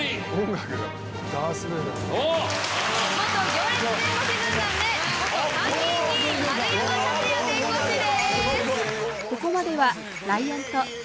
行列弁護士軍団で参議院議員丸山和也弁護士です。